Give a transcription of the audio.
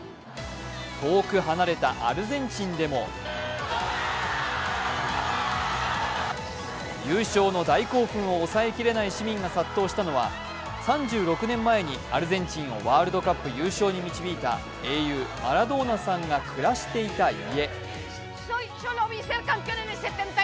遠く離れたアルゼンチンでも優勝の大興奮を抑えきれない市民が殺到したのは３６年前にアルゼンチンをワールドカップ優勝に導いた英雄・マラドーナさんが暮らしていて家。